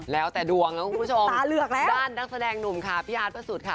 แล้วแต่ดวงนะคุณผู้ชมด้านนักแสดงหนุ่มค่ะพี่อาร์ตพระสุทธิ์ค่ะ